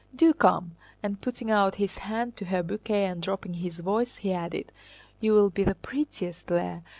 Do come!" and putting out his hand to her bouquet and dropping his voice, he added, "You will be the prettiest there.